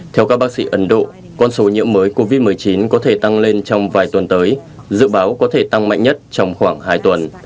theo các bác sĩ ấn độ con số nhiễm mới covid một mươi chín có thể tăng lên trong vài tuần tới dự báo có thể tăng mạnh nhất trong khoảng hai tuần